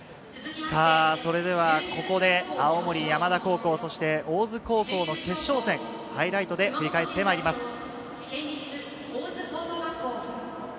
ここで青森山田高校、そして大津高校の決勝戦、ハイライトで振り返ってまいります。